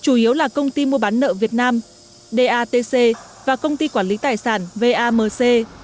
chủ yếu là công ty mua bán nợ việt nam datc và công ty quản lý tài sản vamc